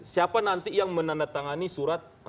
siapa nanti yang menandatangani surat